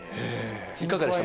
いかがでした？